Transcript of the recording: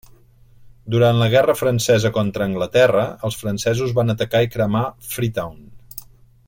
Durant la guerra francesa contra Anglaterra, els francesos van atacar i cremar Freetown.